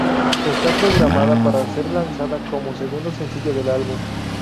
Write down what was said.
Está programada para ser lanzada como segundo sencillo del álbum.